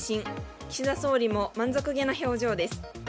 岸田総理も満足げな情報です。